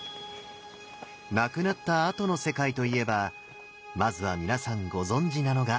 亡くなったあとの世界といえばまずは皆さんご存じなのが。